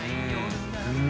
うん。